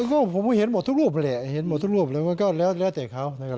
ก็เห็นหมดทุกรูปเลยเห็นหมดทุกรูปแล้วแต่เขาแล้วแต่เขานะครับ